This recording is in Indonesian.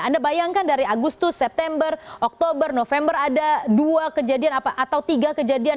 anda bayangkan dari agustus september oktober november ada dua kejadian atau tiga kejadian